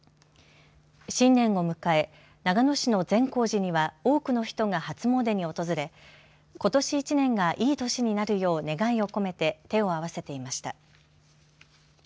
新年を迎え長野市の善光寺には多くの人が初詣に訪れことし１年がいい年になるよう願いを込めて手を合わせていました。